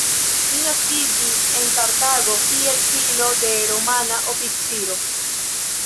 Li naskiĝis en Kartago, kiel filo de Romana oficiro.